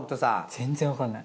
全然わかんない。